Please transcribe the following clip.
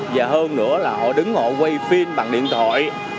và hơn nữa là họ đứng ngồi quay phim bằng điện thoại